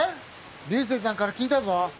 流星さんから聞いたぞ。